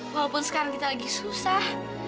walaupun sekarang kita lagi susah